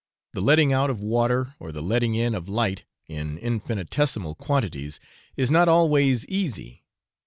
The letting out of water, or the letting in of light, in infinitesimal quantities, is not always easy.